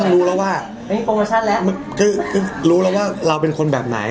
เราก็รู้แล้วว่าเราเป็นคนแบบไหน